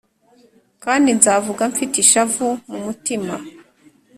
Kandi nzavuga mfite ishavu mu mutima